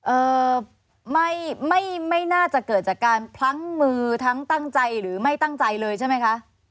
เอ่อไม่ไม่น่าจะเกิดจากการพลั้งมือทั้งตั้งใจหรือไม่ตั้งใจเลยใช่ไหมคะ